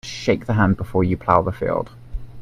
Shake the hand before you plough the field.